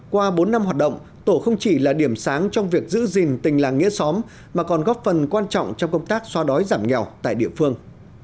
qua bốn năm hoạt động tổ không chỉ là điểm sáng trong việc giữ gìn tình làng nghĩa xóm mà còn góp phần quan trọng trong công tác xóa đói giảm nghèo tại địa phương